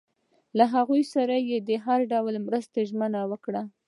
له هغوی سره یې د هر ډول مرستې ژمنه وکړه.